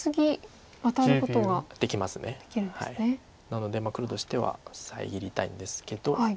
なので黒としては遮りたいんですけど。